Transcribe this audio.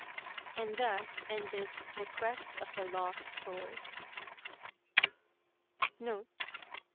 " and thus ended the Quest of the Lost Sword NOTE.